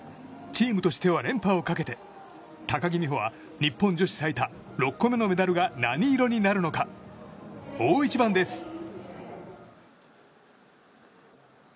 チームとしては連覇をかけて高木美帆は日本女子最多６個目のメダルが何色になるのか、大一番です。